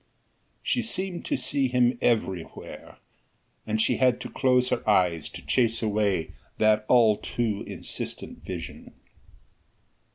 She seemed to see him everywhere, and she had to close her eyes to chase away that all too insistent vision.